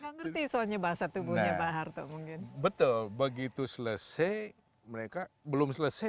nggak ngerti soalnya bahasa tubuhnya pak harto mungkin betul begitu selesai mereka belum selesai